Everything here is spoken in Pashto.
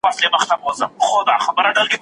حضرت عبدالله ابن عباس رضي الله عنهما څه فرمایي؟